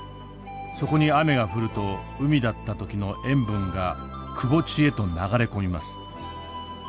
そこに雨が降ると海だった時の塩分がくぼ地へと流れ込みます。